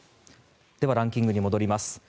ランキングに戻ります。